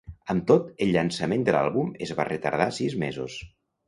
Amb tot, el llançament de l'àlbum es va retardar sis mesos.